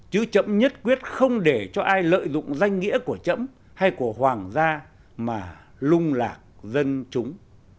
chứ chấm nhất quyết không để cho ai lợi dụng danh nghĩa của chấm hay của hoàng gia mà lung lạc dân chúng